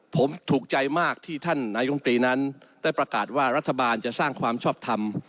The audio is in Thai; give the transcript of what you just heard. ผมถูกใจมากที่ท่านนายมตรีนั้นได้ประกาศว่ารัฐบาลจะสร้างความชอบทำ